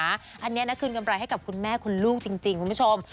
อันนี้นะคืนกำไรให้กับคุณแม่คุณลูกจริงคุณผู้ชม